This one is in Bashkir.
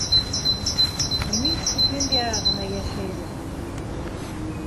Минең стипендияға ғына йәшәйбеҙ...